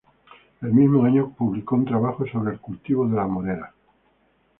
El mismo año, publicó un trabajo sobre el "Cultivo de la moreras".